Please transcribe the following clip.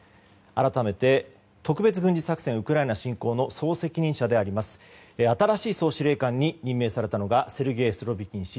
改めて、特別軍事作戦ウクライナ侵攻の総責任者であります新しい総司令官に任命されたのがセルゲイ・スロビキン氏。